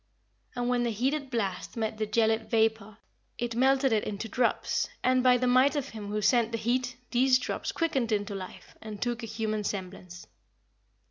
And when the heated blast met the gelid vapour it melted it into drops, and, by the might of him who sent the heat, these drops quickened into life, and took a human semblance.